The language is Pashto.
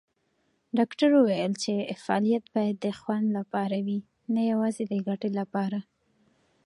ډاکټره وویل چې فعالیت باید د خوند لپاره وي، نه یوازې د ګټې لپاره.